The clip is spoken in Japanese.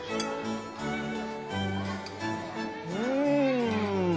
うん！